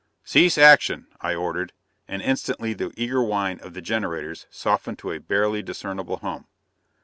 "Cease action!" I ordered, and instantly the eager whine of the generators softened to a barely discernible hum.